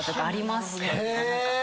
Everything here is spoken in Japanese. ありますか？